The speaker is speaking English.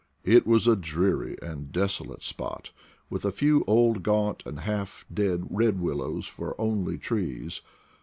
It was a dreary and desolate spot, with a few old gaunt and half dead red willows for only trees.